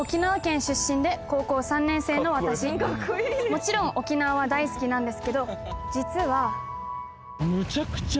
「もちろん沖縄は大好きなんですけど実は」